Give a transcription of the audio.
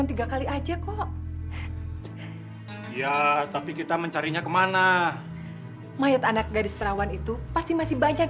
nggak terpikirannya telah berpistak